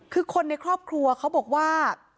คือคนในครอบครัวเขาบอกว่า